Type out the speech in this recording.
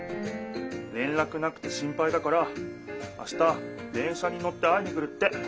れんらくなくて心ぱいだからあした電車に乗って会いに来るって。